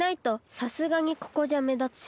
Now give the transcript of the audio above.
さすがにここじゃめだつし。